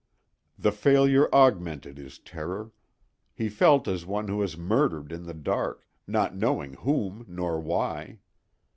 The failure augmented his terror; he felt as one who has murdered in the dark, not knowing whom nor why.